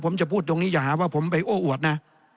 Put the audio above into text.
ผมจะพูดตรงนี้อย่าหาว่าผมไปโอ้อวดนะ